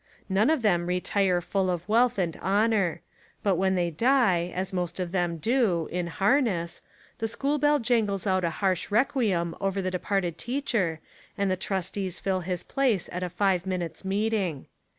None of them retire full of wealth and honour; but when they die, as most of them do, in harness, the school bell jangles out a harsh requiem over the de parted teacher and the trustees fill his place at a five minutes' meeting.